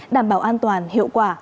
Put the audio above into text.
đảm bảo an toàn hiệu quả